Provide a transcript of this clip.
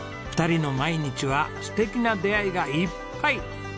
２人の毎日は素敵な出会いがいっぱい！